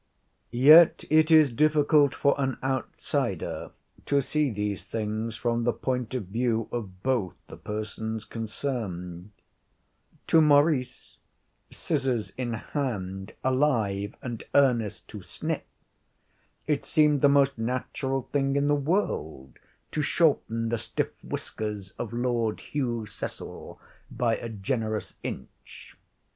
Yet it is difficult for an outsider to see these things from the point of view of both the persons concerned. To Maurice, scissors in hand, alive and earnest to snip, it seemed the most natural thing in the world to shorten the stiff whiskers of Lord Hugh Cecil by a generous inch.